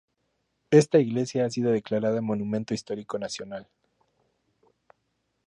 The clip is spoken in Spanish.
Esta iglesia ha sido declarada Monumento Histórico Nacional.